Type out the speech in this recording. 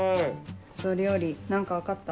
それより何か分かった？